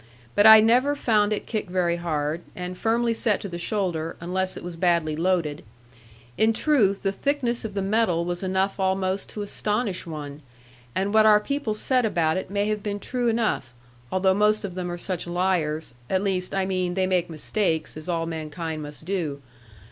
But I never found it kick very hard, and firmly set to the shoulder, unless it was badly loaded. In truth, the thickness of the metal was enough almost to astonish one; and what our people said about it may have been true enough, although most of them are such liars at least, I mean, they make mistakes, as all mankind must do.